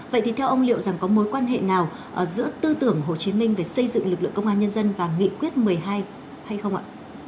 vậy thì theo ông liệu rằng có mối quan hệ nào giữa tư tưởng hồ chí minh về xây dựng lực lượng công an nhân dân và nghị quyết một mươi hai hay không ạ